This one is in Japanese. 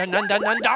なんだ？